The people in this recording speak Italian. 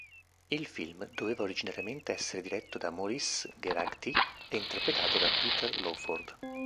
Il film doveva originariamente essere diretto da Maurice Geraghty e interpretato da Peter Lawford.